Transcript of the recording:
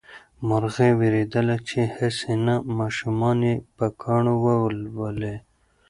مرغۍ وېرېدله چې هسې نه ماشومان یې په کاڼو وولي.